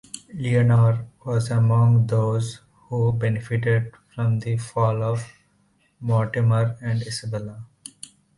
Eleanor was among those who benefited from the fall of Mortimer and Isabella.